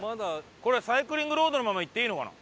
これサイクリングロードのまま行っていいのかな？